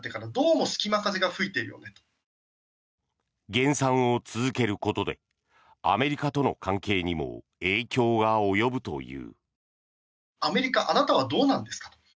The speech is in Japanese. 減産を続けることでアメリカとの関係にも影響が及ぶという。